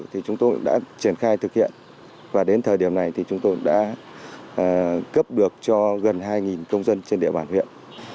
thì chúng tôi đã triển khai thực hiện và đến thời điểm này thì chúng tôi đã cấp được cho gần hai công dân trên địa bàn huyện